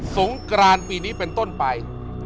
สงกรานปีนี้เป็นต้นไป